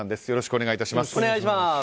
よろしくお願いします。